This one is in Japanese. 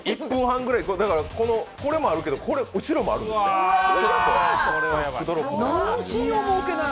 １分半ぐらい、これもあるけど、落ちるのもあるんですって。